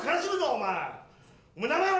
お前。